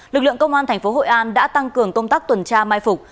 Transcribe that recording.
lực lượng công an thành phố hội an đã tăng cường công tác tuần tra mai phục